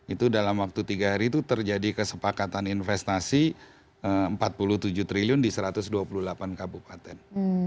itu dalam waktu tiga hari itu terjadi kesepakatan investasi empat puluh tujuh triliun di satu ratus dua puluh delapan kabupaten